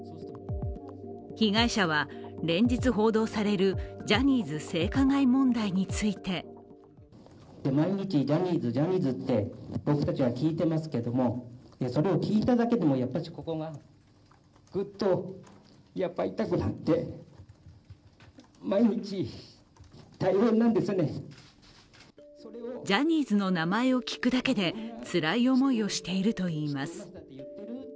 被害者は連日報道されるジャニーズ性加害問題についてジャニーズの名前を聞くだけでつらい思いをしているといいます。